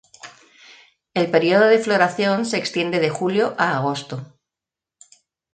El período de floración se extiende de julio a agosto.